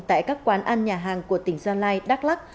tại các quán ăn nhà hàng của tỉnh gia lai đắk lắc